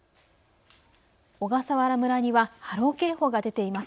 小笠原村には波浪警報が出ています。